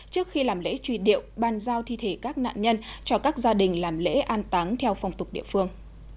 trước khi làm lễ truy điệu ban giao thi thể các nạn nhân cho các gia đình làm lễ an táng theo phong tục địa phương